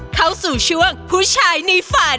เข้าสู่ช่วงผู้ชายในฝัน